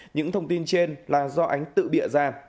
những thông tin trên là do ánh tự địa gian